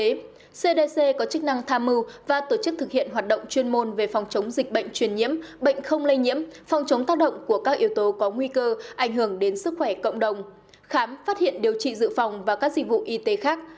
bộ y tế cdc có chức năng tham mưu và tổ chức thực hiện hoạt động chuyên môn về phòng chống dịch bệnh truyền nhiễm bệnh không lây nhiễm phòng chống tác động của các yếu tố có nguy cơ ảnh hưởng đến sức khỏe cộng đồng khám phát hiện điều trị dự phòng và các dịch vụ y tế khác